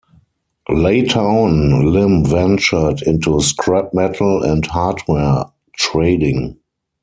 Later on Lim ventured into scrap-metal and hardware trading.